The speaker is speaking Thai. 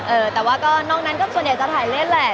เออแต่ว่าก็นอกนั้นก็ส่วนใหญ่จะถ่ายเล่นแหละ